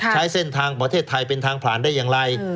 ใช้เส้นทางประเทศไทยเป็นทางผ่านได้อย่างไร